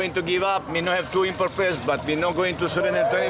namun hasil ini belum memuaskan